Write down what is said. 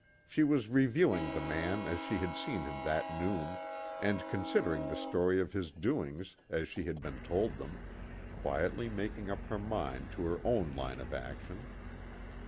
She was reviewing the man as she had seen him that noon, and considering the story of his doings as she had been told them, quietly making up her mind to her own line of action.